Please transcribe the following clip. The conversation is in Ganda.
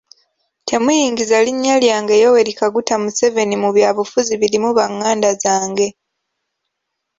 Temuyingiza linnya lyange Yoweri Kaguta Museveni mu byabufuzi birimu banganda zange.